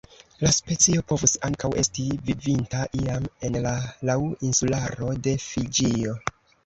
La specio povus ankaŭ esti vivinta iam en la Lau Insularo de Fiĝio.